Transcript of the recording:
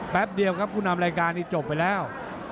แป๊บเดียวครับผู้นำรายการนี้จบไปแล้ว